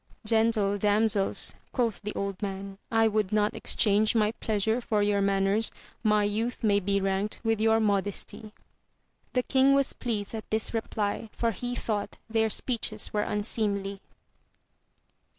Gentle damsels, quoth the old man, I would not exchange my pleasure for your manners; my youth may be ranked with your modesty. The king was pleased at this reply, for he thought their speeches were unseemly.